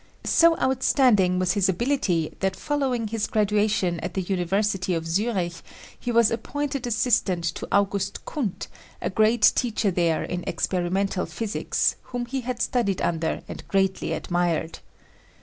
So outstanding was his ability that following his graduation at the University of Zurich he was appointed assistant to August Kundt, a great teacher there in experimental physics, whom he had studied under and greatly admired.